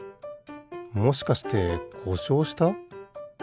もしかしてこしょうした？